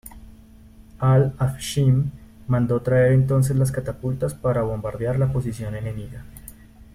Al-Afshin mandó traer entonces las catapultas para bombardear la posición enemiga.